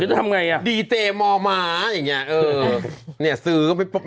ก็จะทำไงอ่ะดีเจมอมมาอย่างงี้เออเนี้ยซื้อ